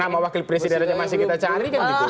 kalau wakil presidennya masih kita cari kan gitu